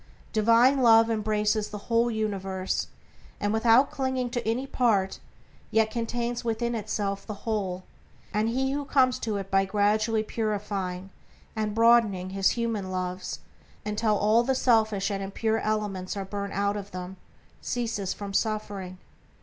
Divine Love embraces the whole universe, and, without clinging to any part, yet contains within itself the whole, and he who comes to it by gradually purifying and broadening his human loves until all the selfish and impure elements are burnt out of them, ceases from suffering.